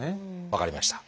分かりました。